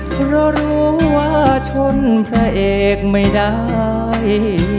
เพราะรู้ว่าชนพระเอกไม่ได้